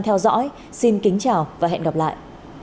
theo dõi xin kính chào và hẹn gặp lại